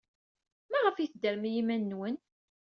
Maɣef ay teddrem i yiman-nwen?